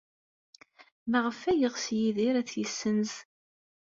Maɣef ay yeɣs Yidir ad t-yessenz?